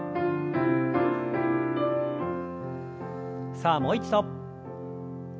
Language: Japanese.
さあもう一度。